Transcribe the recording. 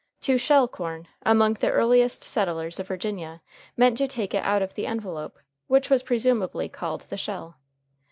To shell corn, among the earliest settlers of Virginia, meant to take it out of the envelope, which was presumably called the shell.